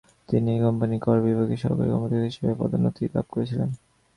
তিনি এই কোম্পানির কর বিভাগের সহকারী কর্মকর্তা হিসেবে পদোন্নতি লাভ করেছিলেন।